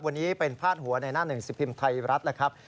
วันนี้เป็นพาดหัวในหน้าหนึ่งสิบพิมพ์ไทยรัฐแล้วครับ